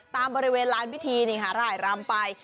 ตามบริเวณลานพิธีร่ายรำไป